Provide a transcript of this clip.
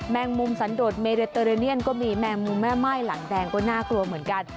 แมงมุมสันโดดเมเดอเรเนียนก็มีแมงมุมแม่ม่ายหลังแดงก็น่ากลัวเหมือนกัน